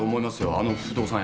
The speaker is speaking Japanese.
あの不動産屋。